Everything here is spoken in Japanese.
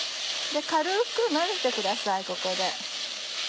軽く混ぜてくださいここで。